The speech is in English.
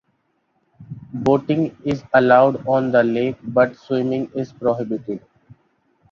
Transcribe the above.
Boating is allowed on the lake, but swimming is prohibited.